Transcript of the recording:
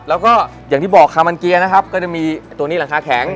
แล้วก็อย่างที่บอกคามันเกียร์นะครับก็จะมีตัวนี้หลังคาแข็ง